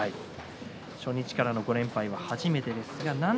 初日からの連敗は初めてです。